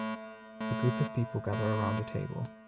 A group of people gather around a table.